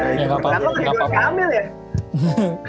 ya gak apa apa dong